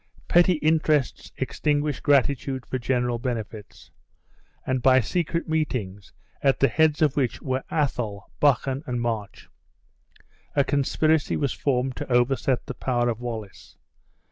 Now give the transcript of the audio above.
Petty interests extinguished gratitude for general benefits; and by secret meetings, at the heads of which were Athol, Buchan, and March, a conspiracy was formed to overset the power of Wallace.